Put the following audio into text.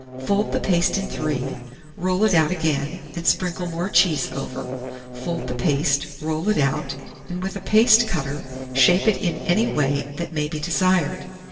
Fold the paste in three, roll it out again, and sprinkle more cheese over; fold the paste, roll it out, and with a paste cutter shape it in any way that may be desired.